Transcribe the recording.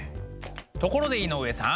ところで井上さん。